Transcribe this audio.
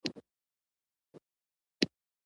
کنګل زړونه مو په مينه ويلي نه کړل